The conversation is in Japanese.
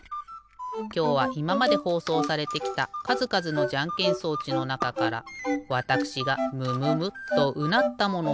きょうはいままでほうそうされてきたかずかずのじゃんけん装置のなかからわたくしがムムムッとうなったものをごしょうかい。